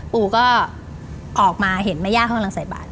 ปู่ก็ออกมาเห็นแม่ย่าเขากำลังใส่บาท